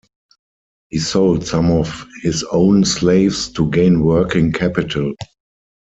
He sold some of his own slaves to gain working capital.